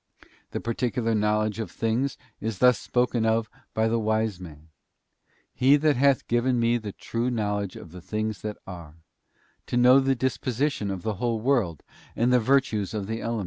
The particular knowledge of things is thus spoken of by the Wise Man: 'He hath given me the true knowledge of the things that are: to know the disposition of the whole world and the virtues of the elements.